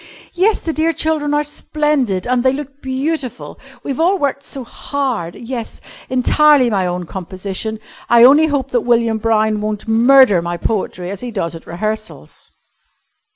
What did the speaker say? "Yes, the dear children are splendid, and they look beautiful! We've all worked so hard. Yes, entirely my own composition. I only hope that William Brown won't murder my poetry as he does at rehearsals."